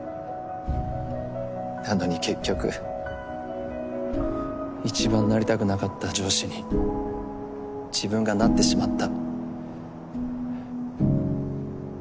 なのに結局一番なりたくなかった上司に自分がなってしまった。